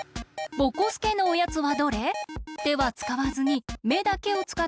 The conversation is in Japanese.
ぼこすけのおやつは。